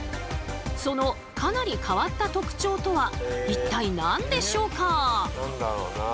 そのかなり変わった特徴とは一体何でしょうか？